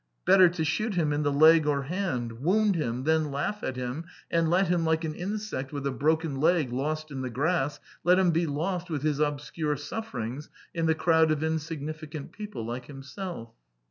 Better to shoot him in the leg or hand, wound him, then laugh at him, and let him, like an insect with a broken leg lost in the grass let him be lost with his obscure sufferings in the crowd of insignificant people like himself.